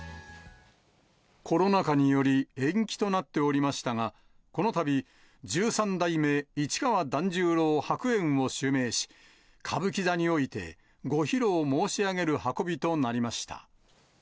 コロナ禍により延期となっておりましたが、このたび、十三代目市川團十郎白猿を襲名し、歌舞伎座において、ご披露申し上げる運びとなりました。